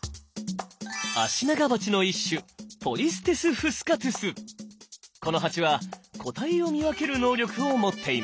アシナガバチの一種このハチは個体を見分ける能力を持っています。